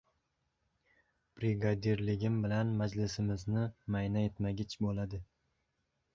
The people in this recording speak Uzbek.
Brigadirligim bilan majlisimizni mayna etmagich bo‘ladi.